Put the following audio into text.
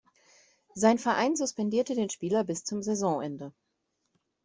Sein Verein suspendierte den Spieler bis zum Saisonende.